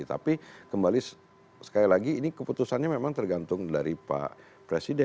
tapi kembali sekali lagi ini keputusannya memang tergantung dari pak presiden